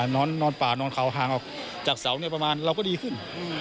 นอนป่านอนเขาห่างออกจากเสาประมาณเราก็ดีขึ้น